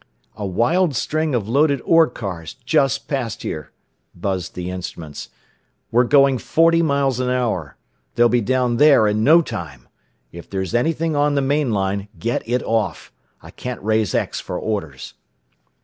"A wild string of loaded ore cars just passed here," buzzed the instruments. "Were going forty miles an hour. They'll be down there in no time. If there's anything on the main line get it off. I can't raise X for orders."